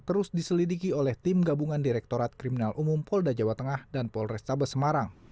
terus diselidiki oleh tim gabungan direktorat kriminal umum polda jawa tengah dan polrestabes semarang